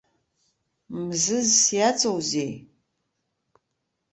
Мзызс иаҵоузеи?